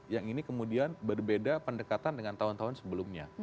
yang ini kemudian berbeda pendekatan dengan tahun tahun sebelumnya